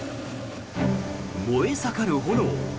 燃え盛る炎。